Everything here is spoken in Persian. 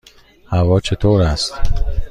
هوا چطور است؟